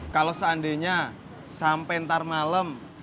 kalau seandainya sampai ntar malam